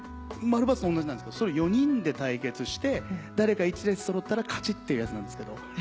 マルバツとおんなじなんですけどそれ４人で対決して誰か１列揃ったら勝ちっていうやつなんですけど。